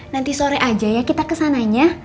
nanti sore aja ya kita kesananya